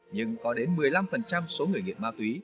nhưng có đến một mươi năm số người nghiện ma túy